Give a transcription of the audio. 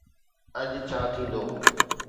اڄ ڇا ٿيندو؟